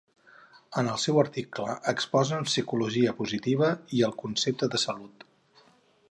En el seu article exposen "Psicologia positiva i el concepte de salut".